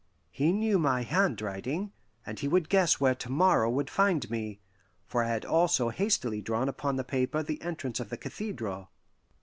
He knew my handwriting, and he would guess where to morrow would find me, for I had also hastily drawn upon the paper the entrance of the cathedral.